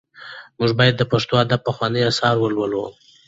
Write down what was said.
موږ باید د پښتو ادب پخواني اثار ولولو.